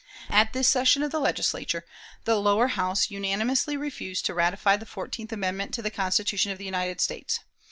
At this session of the Legislature, the Lower House unanimously refused to ratify the fourteenth amendment to the Constitution of the United States.